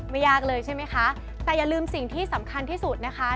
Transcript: ยากเลยใช่ไหมคะแต่อย่าลืมสิ่งที่สำคัญที่สุดนะคะ